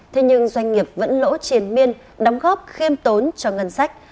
thế nhưng doanh nghiệp vẫn lỗ triển miên đóng góp khiêm tốn cho ngân sách